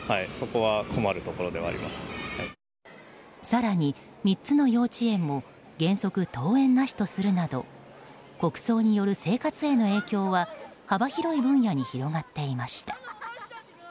更に、３つの幼稚園も原則登園なしとするなど国葬による生活への影響は幅広い分野に広がっていました。